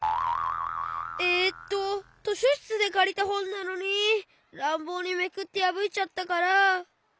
えっととしょしつでかりたほんなのにらんぼうにめくってやぶいちゃったから。